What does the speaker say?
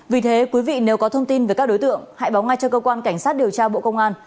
vì thế quý vị nếu có thông tin về các đối tượng hãy báo ngay cho cơ quan cảnh sát điều tra bộ công an